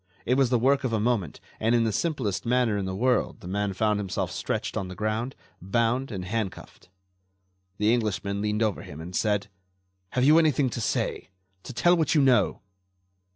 It was the work of a moment, and in the simplest manner in the world the man found himself stretched on the ground, bound and handcuffed. The Englishman leaned over him and said: "Have you anything to say?... To tell what you know?"